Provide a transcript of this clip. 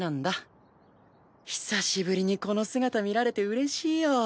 久しぶりにこの姿見られて嬉しいよ。